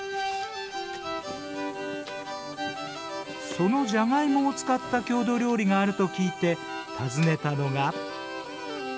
そのジャガイモを使った郷土料理があると聞いて訪ねたのが。